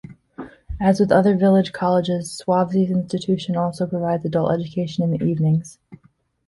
As with other village colleges, Swavesey's institution also provides adult education in the evenings.